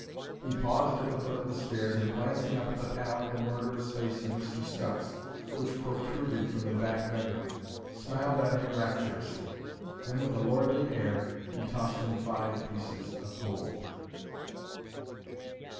He paused at the foot of the stairs and, glancing up at the palid and murderous face of Mr. Scutts, which protruded from the back bedroom, smiled at him rapturously. Then, with a lordly air, he tossed him five pieces of gold.